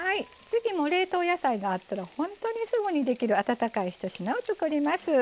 次も冷凍野菜があったらほんとにすぐにできる温かいひと品を作ります。